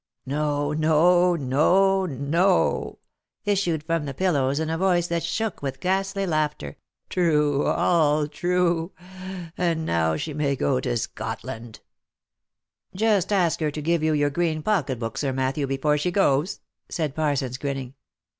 No, no, no, no !" issued from the pillows, in a voice that shook with ghastly laughter. "True, all true; and now she may go to Scotland." " Just ask her to give you your green pocket book, Sir Matthew, OF MICHAEL ARMSTRONG. 363 before she goes," said Parsons, grinning.